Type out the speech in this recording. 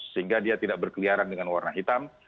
sehingga dia tidak berkeliaran dengan warna hitam